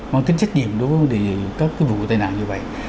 mang tính trách nhiệm đối với các vụ tai nạn như vậy